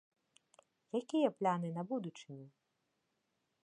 Якія планы на будучыню?